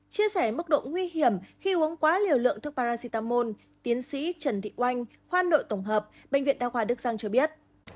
chia sẻ mức độ nguy hiểm khi uống quá liều lượng thuốc paracetamol tiến sĩ trần thị oanh khoan nội tổng hợp bệnh viện đa khoa đức giang cho biết